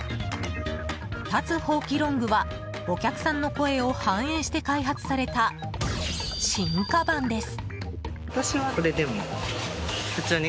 立つほうきロングはお客さんの声を反映して開発された進化版です。